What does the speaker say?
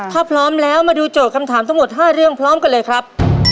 ถ้าพร้อมแล้วมาดูโจทย์คำถามทั้งหมด๕เรื่องพร้อมกันเลยครับ